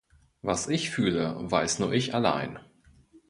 Was ich fühle, weiß nur ich allein.